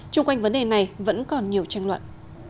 trung quanh vấn đề này vẫn còn nhiều tranh luận